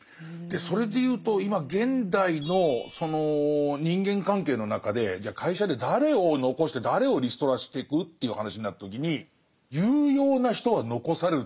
それで言うと今現代のその人間関係の中でじゃあ会社で誰を残して誰をリストラしてく？という話になった時に有用な人は残されると思うんですよ。